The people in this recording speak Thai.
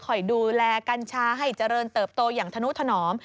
ดูแลกัญชาให้เจริญเติบโตอย่างธนุถนอม